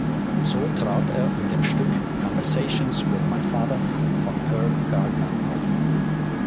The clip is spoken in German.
So trat er in dem Stück "Conversations with My Father" von Herb Gardner auf.